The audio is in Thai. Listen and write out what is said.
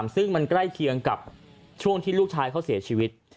ซึ่งมันใกล้เคียงกับช่วงที่ลูกชายเขาเสียชีวิต